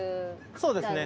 そうですね。